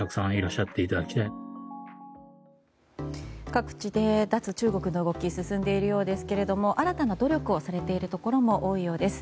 各地で脱中国の動きが進んでいるようですが新たな努力をされているところも多いようです。